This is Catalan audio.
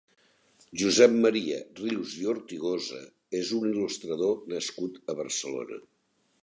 Josep Maria Rius i Ortigosa és un il·lustrador nascut a Barcelona.